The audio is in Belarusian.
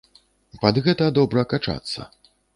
Пад гэта добра качацца.